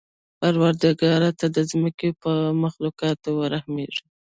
پروردګاره! ته د ځمکې په مخلوقاتو ورحمېږه.